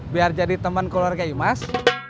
biar jadi teman keluarga imas